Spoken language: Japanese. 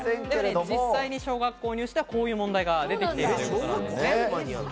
実際に小学校入試では、こういう問題が出てきています。